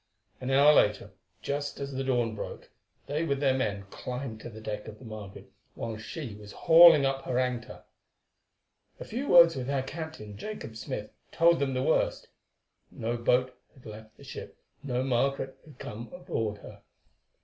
An hour later, just as the dawn broke, they with their men climbed to the deck of the Margaret while she was hauling up her anchor. A few words with her captain, Jacob Smith, told them the worst. No boat had left the ship, no Margaret had come aboard her.